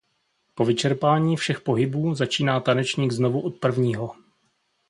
Po vyčerpání všech pohybů začíná tanečník znovu od prvního.